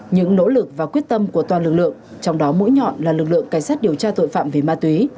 những nỗ lực và quyết tâm của toàn lực lượng trong đó mũi nhọn là lực lượng cảnh sát điều tra tội phạm về ma túy